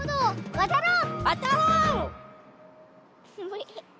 わたろう！